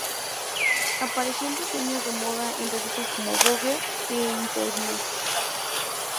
Apareció en diseños de moda en revistas como Vogue e Interview.